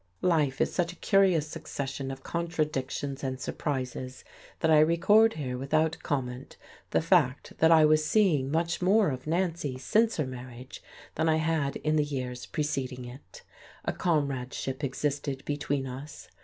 Life is such a curious succession of contradictions and surprises that I record here without comment the fact that I was seeing much more of Nancy since her marriage than I had in the years preceding it. A comradeship existed between us.